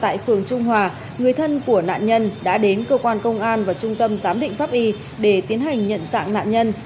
tại phường trung hòa người thân của nạn nhân đã đến cơ quan công an và trung tâm giám định pháp y để tiến hành nhận dạng nạn nhân